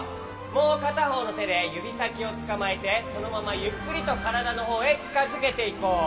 もうかたほうのてでゆびさきをつかまえてそのままゆっくりとからだのほうへちかづけていこう。